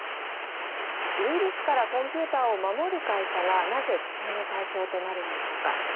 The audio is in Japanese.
ウイルスからコンピューターを守る会社がなぜ、規制の対象となるんでしょうか。